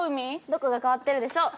どこが変わってるでしょう？